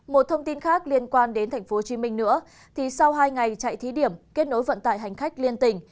một thông tin khác liên quan đến tp hcm nữa thì sau hai ngày chạy thí điểm kết nối vận tải hành khách liên tỉnh